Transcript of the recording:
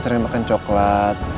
sering makan coklat